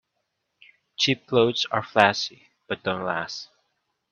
Cheap clothes are flashy but don't last.